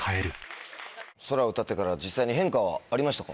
『ＳＯＲＡ』を歌ってから実際に変化はありましたか？